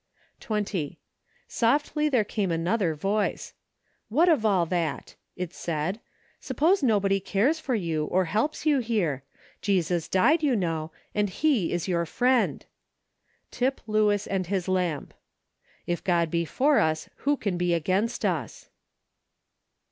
20. Softly there came another voice. '•'What of all that?" it said; te suppose nobody cares for you, or helps you here. Jesus died, you know, and He is your friend." Tip Lewis and Ilis Lamp. " If God be for us who can be against us?